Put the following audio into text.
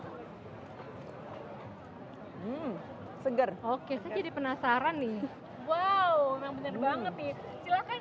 hai seger oke jadi penasaran nih wow bener banget nih silakan